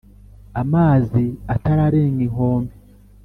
Amazi atararenga inkombe